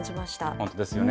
本当ですよね。